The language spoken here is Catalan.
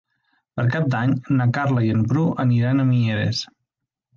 Per Cap d'Any na Carla i en Bru aniran a Mieres.